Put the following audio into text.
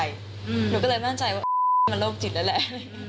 หนูก็เลยตั้งใจว่ามันโรคจิตแล้วแหละ